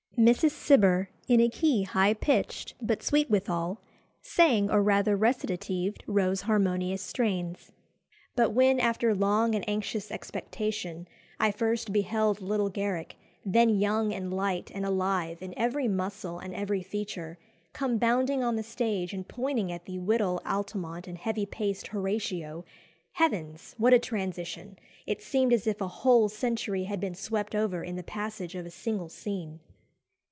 Mrs. Cibber, in a key high pitched but sweet withal, sang or rather recitatived Rowe's harmonious strains. But when, after long and anxious expectation, I first beheld little Garrick, then young and light and alive in every muscle and every feature, come bounding on the stage and pointing at the wittol Altamont and heavy paced Horatio, heavens! what a transition! it seemed as if a whole century had been swept over in the passage of a single scene."